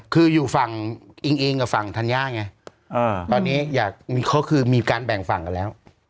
คืออยู่ฝั่งอิงเองกับฝั่งธัญญาไงตอนนี้อยากมีเขาคือมีการแบ่งฝั่งกันแล้ว